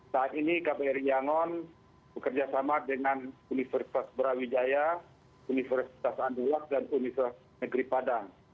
saat ini kbri yangon bekerjasama dengan universitas brawijaya universitas andalas dan universitas negeri padang